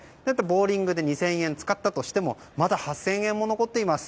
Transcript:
ボウリングで２０００円使ったとしてもまだ８０００円残っています。